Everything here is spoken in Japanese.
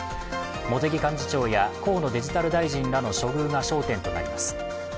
茂木幹事長や河野デジタル大臣らの処遇が焦点となります。